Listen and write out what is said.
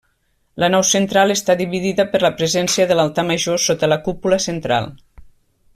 La nau central està dividida per la presència de l'altar major sota la cúpula central.